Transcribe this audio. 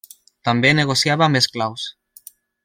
També negociava amb esclaus.